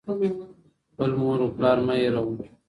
• خپل مور و پلار مه هېروه.